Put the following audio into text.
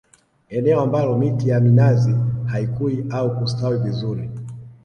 Eneo ambalo miti ya minazi haikui au kustawi vizuri